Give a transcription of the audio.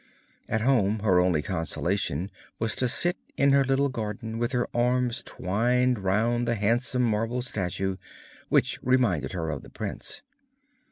At home her only consolation was to sit in her little garden with her arms twined round the handsome marble statue which reminded her of the prince.